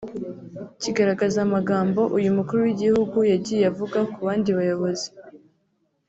kigaragaza amagambo uyu Mukuru w’Igihugu yagiye avuga ku bandi bayobozi